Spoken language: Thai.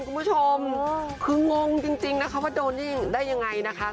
คุณผู้ชมคืองงจริงนะคะว่าโดนยิ่งได้ยังไงนะคะ